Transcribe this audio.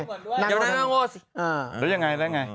อย่ามาทำน่างโง่สิ